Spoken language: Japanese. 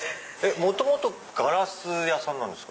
元々ガラス屋さんですか？